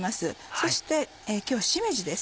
そして今日はしめじです。